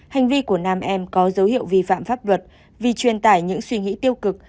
hành vi của nam em có dấu hiệu vi phạm pháp luật vì truyền tải những suy nghĩ tiêu cực